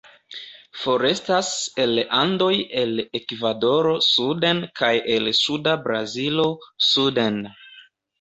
Forestas el Andoj el Ekvadoro suden kaj el suda Brazilo suden.